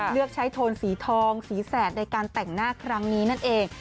เลือกใช้โทนสีทองสีแสดในการแต่งหน้าครั้งนี้นั่นเอง